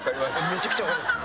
めちゃくちゃ分かります！